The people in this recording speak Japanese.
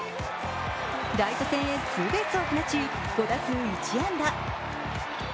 ライト線へツーベースを放ち、５打数１安打。